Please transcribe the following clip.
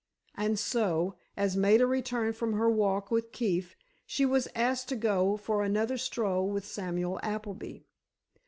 And so, as Maida returned from her walk with Keefe, she was asked to go for another stroll with Samuel Appleby.